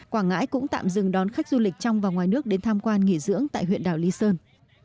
quảng ngãi cũng tạm dừng đón khách du lịch trong và ngoài nước đến tham quan nghỉ dưỡng tại huyện đảo lý sơn